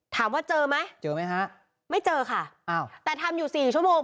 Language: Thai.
ถามว่าเจอไหมเจอไหมฮะไม่เจอค่ะอ้าวแต่ทำอยู่สี่ชั่วโมง